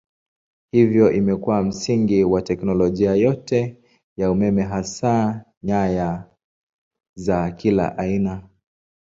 Hivyo imekuwa msingi wa teknolojia yote ya umeme hasa nyaya za kila aina.